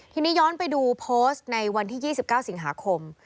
ทีนี้ย้อนไปดูโพสต์ในวันที่๒๙สิงหาคม